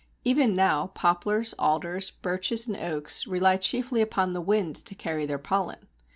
Even now poplars, alders, birches, and oaks rely chiefly upon the wind to carry their pollen.